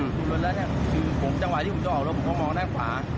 พอปิดประตูรถแล้วเนี้ยคือผมจังหวะที่ผมจะออกรถผมก็มองด้านขวา